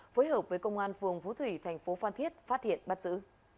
phối hợp với công an phường phú thủy thành phố phan thiết phát hiện bắt giữ